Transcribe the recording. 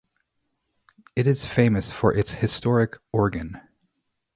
It is famous for its historic organ.